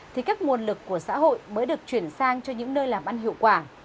thì các nguồn lực của xã hội mới được chuyển sang cho những nơi làm ăn hiệu quả